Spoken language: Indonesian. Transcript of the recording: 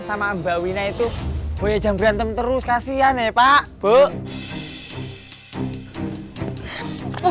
sama mbak wina itu boleh jam berantem terus kasihan ya pak bu